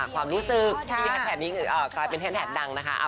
ความรู้สึกที่แฮนด์แฮนนี้กลายเป็นแฮนด์แฮนด์ดังนะคะ